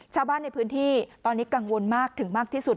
ชาวบ้านในพื้นที่ตอนนี้กังวลมากถึงมากที่สุด